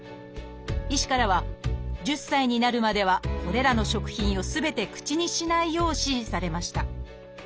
医師からは１０歳になるまではこれらの食品をすべて口にしないよう指示されました